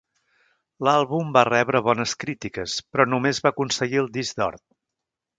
L'àlbum va rebre bones crítiques, però només va aconseguir el disc d'or.